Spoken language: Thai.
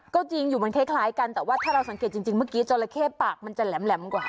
ก็จริงอยู่มันคล้ายกันแต่ว่าถ้าเราสังเกตจริงเมื่อกี้จราเข้ปากมันจะแหลมกว่า